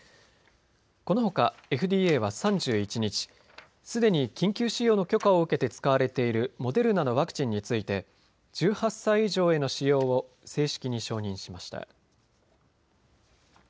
このほかＦＤＡは３１日、すでに緊急使用の許可を受けて使われているモデルナのワクチンについて１８歳以上への使用を正式に承認しました。